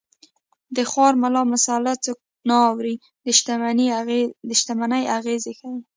د خوار ملا مساله څوک نه اوري د شتمنۍ اغېز ښيي